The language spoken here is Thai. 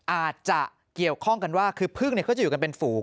อาจจะเกี่ยวข้องกันว่าคือพึ่งเขาจะอยู่กันเป็นฝูง